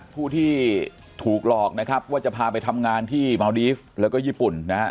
ผู้ที่ถูกหลอกนะครับว่าจะพาไปทำงานที่เมาดีฟแล้วก็ญี่ปุ่นนะฮะ